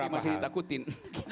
oh terima kasih ditakutin